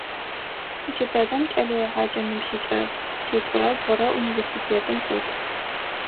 Джыдэдэм кӏэлэегъэджэ ныбжьыкӏэ шъитӏурэ бгъурэ университетым ӏут.